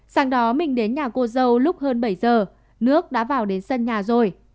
sáng đó mình đến nhà cô dâu lúc hơn bảy giờ nước đã vào đến sân nhà rồi